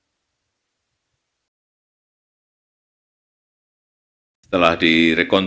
kita bisa memperbaiki perusahaan ini